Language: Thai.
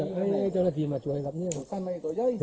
อันนี้มันหลอดไปทางใต้พี่มันไม่ได้